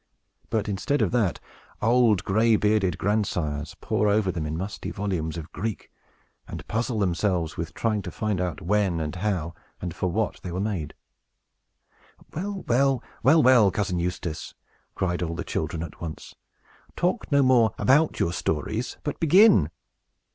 But, instead of that, old gray bearded grandsires pore over them in musty volumes of Greek, and puzzle themselves with trying to find out when, and how, and for what they were made." "Well, well, well, well, Cousin Eustace!" cried all the children at once; "talk no more about your stories, but begin."